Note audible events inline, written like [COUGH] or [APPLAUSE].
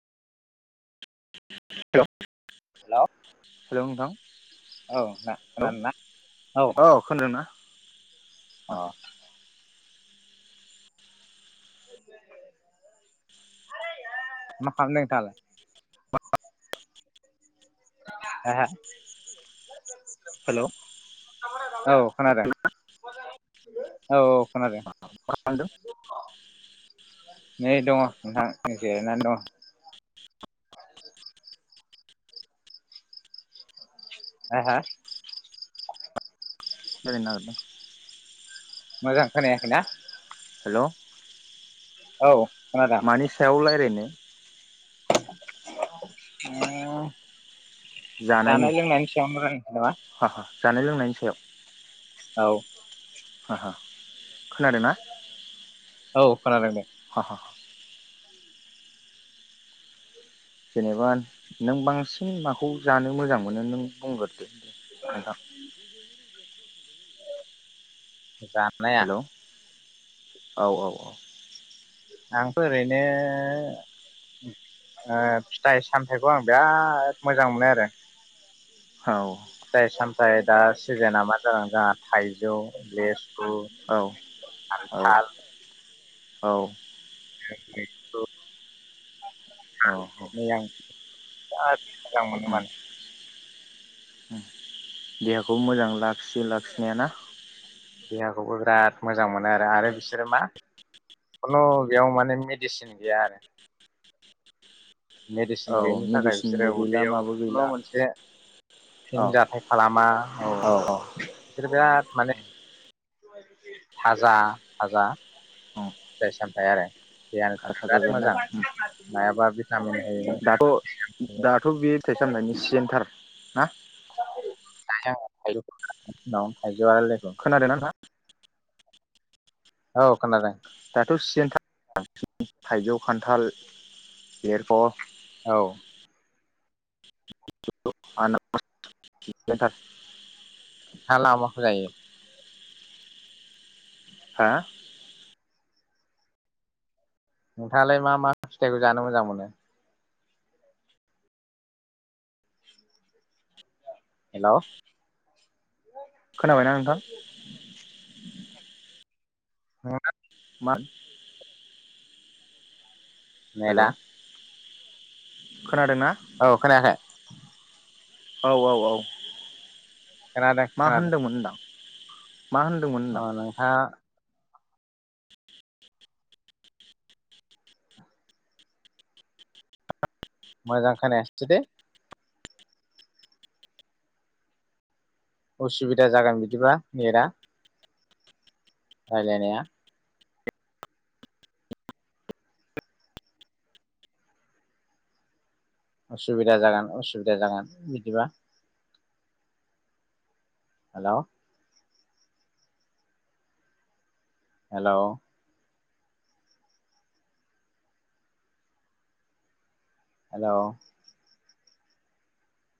Hello hello hello नोंथां औ ना हेल खोनादों ना औ खोनदों ना? अ [UNINTELLIGIBLE] मा खालामदों नोंथाङालाय? हा हा हेल' औ खोनादों। मा औ औ खोनदो। खालामदों नै दङ नोंथां जिरायनानै दङ। हा हा गेलेनो नागिरदों मोजां खोनायाखै ना? हेल' औ। खोनादों मानि सायाव रायलायनो? [UNINTELLIGIBLE] जानाय लोंनायनि जानायनि सायावनो रायलायनोसै हा हा नामा? जानाय लोंनायनि सायाव औ ह ह खोनादोंना? औ खोनादों दे। [INAUDIBLE] जेनेबा नों बांसिन माखौ जानो मोजां मोनो नों बुंगोर? दे नोंथां। [INAUDIBLE] जानाया हेल' औ औ औ। आंथ' ओरैनो ओ फिथाइ सामथाइखौ आं बिराद मोजां मोनो आरो। औ। फिथाइ सामथाइ दा सिजोना मा जागोन जाहा? थाइजौ, लेसु, औ खान्थाल औ। [UNINTELLIGIBLE] [UNINTELLIGIBLE] उम मोजां [UNINTELLIGIBLE] मोजां मोनो मानो होम देहाखौ मोजां लाखियो लाखिनाया ना? देहाखौबो बिराद मोजां मोनो आरो आरो बिसोरो मा खुनु बेयाव माने मेडिसिन गैया आरो। मेडिसिन औ गैयिनि थाखाय बिसोरो मेडिसिनबो गैला उदैयाव माबो खुनु गैला मोनसे फिन औ जाथाय खालामा औ। बिसोरो बिराद माने थाजा थाजा। औ फिथाइ सामथाय आरो। बेयानोथार बिराद थाजागोन ना मोजां मायाबा बि दाथ' दाथ' बे फिथाइ सामनायनि सिजनथार। ना। [UNINTELLIGIBLE] खोनादों ना नोंथांआ? औ खोनादों। दाथ' सिजेनथार थाइजौ, खान्थाल, लेरख' औ। [INAUDIBLE] [UNINTELLIGIBLE] हा। नोंथाङालाय मा मा फिथाइखौ जानो मोजां मोनो? हेल' खोनाबायना नोंथां। [INAUDIBLE] [INAUDIBLE] [UNINTELLIGIBLE] हेल' नेदा [INAUDIBLE] औ खोनायाखै? [INAUDIBLE] औ औ औ। खोनादों मा खोनादों होनदोंमोन होनदां? [INAUDIBLE] होनदां अ नोंथाङा मोजां खोनायासै दे। असुबिदा जागोन बिदिबा नेटआ। रायलायनाया। उसुबिदा जागोन असुबिदा जागोन बिदिबा। हेल' हेल' हेल'